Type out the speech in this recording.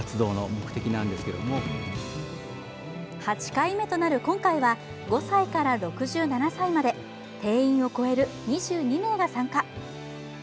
８回目となる今回は５歳から６７歳まで定員を超える２２名が参加。